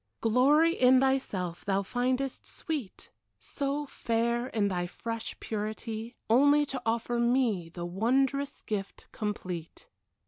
Glory in thyself thou findest sweet. So fair in thy fresh purity, Only to offer me The wondrous gift complete.